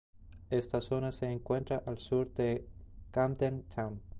Esta zona se encuentra al sur de Camden Town.